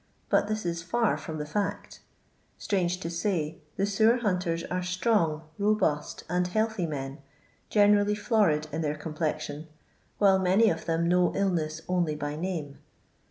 But this is £ar from the fact Strange to say, the sewer hunters are strong, robust, and healthy men, generally florid in their complexion, while manv of them know illness only by name.